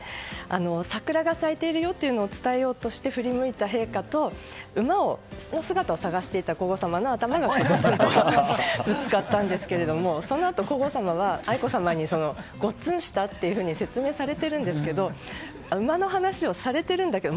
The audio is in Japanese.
桜が咲いているよと伝えようとして振り向いた陛下と馬の姿を探していた皇后さまの頭がぶつかったんですけれどもそのあと皇后さまは愛子さまにごっつんした？と説明されているんですけど馬の話をされているんだけど